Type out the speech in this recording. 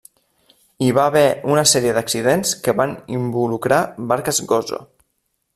Hi va haver una sèrie d'accidents que van involucrar barques Gozo.